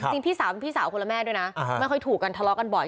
พี่สาวเป็นพี่สาวคนละแม่ด้วยนะไม่ค่อยถูกกันทะเลาะกันบ่อย